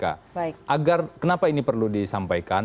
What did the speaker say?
agar kenapa ini perlu disampaikan